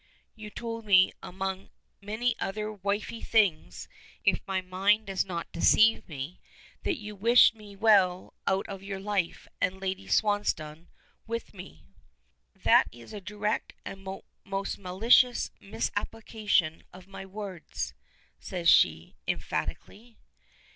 You told me, among many other wifely things if my mind does not deceive me that you wished me well out of your life, and Lady Swansdown with me." "That is a direct and most malicious misapplication of my words," says she, emphatically.